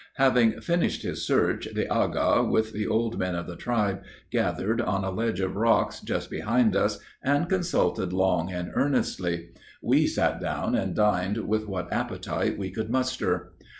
"Having finished his search, the Agha, with the old men of the tribe, gathered on a ledge of rocks, just behind us, and consulted long and earnestly. We sat down and dined with what appetite we could muster."